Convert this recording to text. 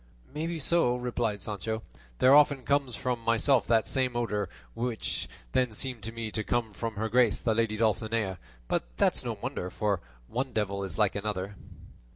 "Maybe so," replied Sancho; "there often comes from myself that same odour which then seemed to me to come from her grace the lady Dulcinea; but that's no wonder, for one devil is like another."